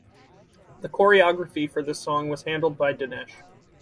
The choreography for this song was handled by Dinesh.